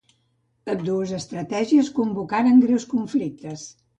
Ambdues estratègies provocaren greus conflictes.